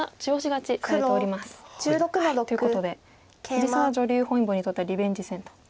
黒１６の六ケイマ。ということで藤沢女流本因坊にとってはリベンジ戦と。